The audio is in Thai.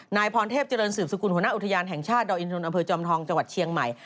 นายพรเทพเจริญสืบสกุลหัวหน้าอุทยานแห่งชาติดอยอินทนนทอำเภอจอมทองจังหวัดเชียงใหม่